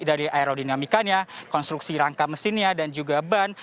dari aerodinamikanya konstruksi rangka mesinnya dan juga ban